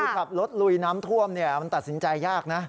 คือขับรถลุยน้ำท่วมมันตัดสินใจยากนะ